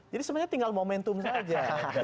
jadi sebenarnya tinggal momentum saja